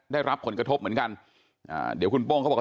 ได้รับผลกระทบเหมือนกันอ่าเดี๋ยวคุณโป้งเขาบอกว่า